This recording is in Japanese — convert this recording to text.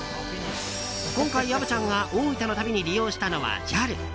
今回、虻ちゃんが大分の旅に利用したのはＪＡＬ。